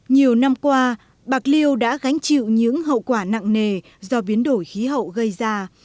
nhiều năm qua bạc liêu đã gánh chịu những hậu quả nặng nề do biến đổi khí hậu gây ra